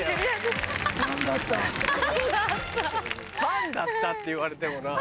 「パンだった」って言われてもな。